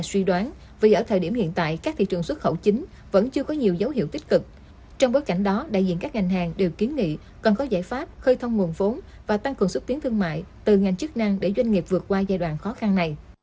vì ở thời điểm hiện tại các thị trường xuất khẩu chính vẫn chưa có nhiều dấu hiệu tích cực trong bối cảnh đó đại diện các ngành hàng đều kiến nghị cần có giải pháp khơi thông nguồn vốn và tăng cường xúc tiến thương mại từ ngành chức năng để doanh nghiệp vượt qua giai đoạn khó khăn này